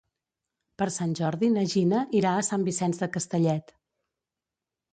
Per Sant Jordi na Gina irà a Sant Vicenç de Castellet.